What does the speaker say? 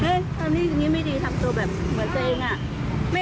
เหอทำลายนี้อันนี้ไม่ดีทำตัวแบบเหมือนซิอิวอ่ะ